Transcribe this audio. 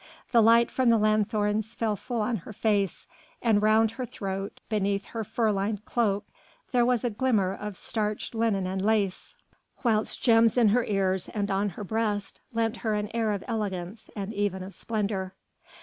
The light from the lanthorns fell full on her face, and round her throat, beneath her fur lined cloak, there was a glimmer of starched linen and lace, whilst gems in her ears and on her breast lent her an air of elegance and even of splendour.